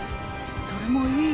それもいい。